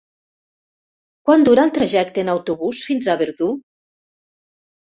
Quant dura el trajecte en autobús fins a Verdú?